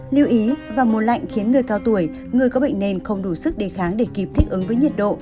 lưu ý vào mùa lạnh khiến người cao tuổi người có bệnh nền không đủ sức đề kháng để kịp thích ứng với nhiệt độ